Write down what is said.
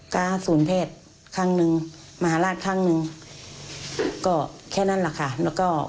ก็สูญเพศครั้งนึงมหาราชครั้งนึงก็แค่นั้นแหละค่ะ